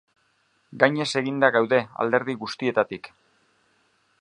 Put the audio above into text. Gainez eginda gaude alderdi guztietatik.